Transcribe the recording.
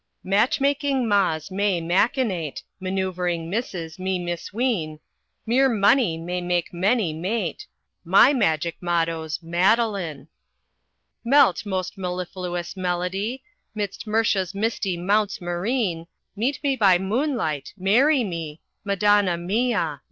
"Match making mas may machinate, Manoeuvring misses me misween; Mere money may make many mate, My magic motto's 'Madeline!' "Melt, most mellifluous melody, 'Midst Murcia's misty mounts marine, Meet me by moonlight marry me, Madonna mia!